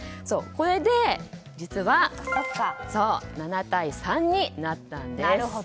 それで７対３になったんです。